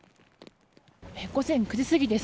午前９時過ぎです。